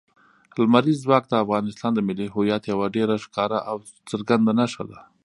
لمریز ځواک د افغانستان د ملي هویت یوه ډېره ښکاره او څرګنده نښه ده.